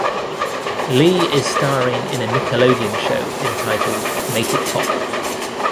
Lee is starring in a Nickelodeon show entitled "Make It Pop".